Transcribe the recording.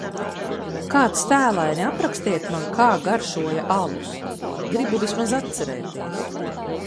Kāds tēlaini aprakstiet man, kā garšoja alus, gribu vismaz atcerēties